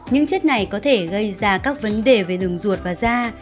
những chất này có thể gây ra các vấn đề về đường ruột và da